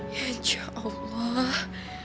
ya ya insya allah